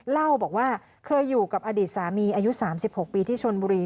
เล่าบอกว่าเคยอยู่กับอดีตสามีอายุ๓๖ปีที่ชนบุรี